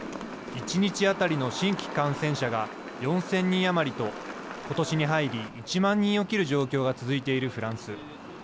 １日当たりの新規感染者が４０００人余りと今年に入り１万人を切る状況が続いているフランス。